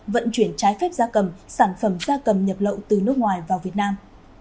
vận chuyển trái phép gia cầm sản phẩm da cầm nhập lậu từ nước ngoài vào việt nam